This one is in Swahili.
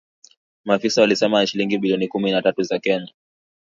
Maafisa walisema ni shilingi bilioni kumi na tatu za Kenya